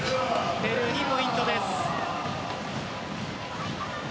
ペルーにポイントです。